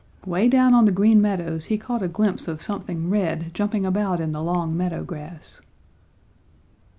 Way down on the Green Meadows he caught a glimpse of something red jumping about in the long meadow grass.